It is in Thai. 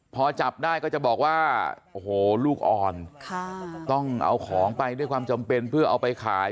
พอจับได้ก็จะบอกว่าโอ้โหลูกอ่อนต้องเอาของไปด้วยความจำเป็นเพื่อเอาไปขาย